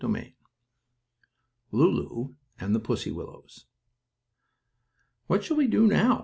STORY XIV LULU AND THE PUSSY WILLOWS "What shall we do now?"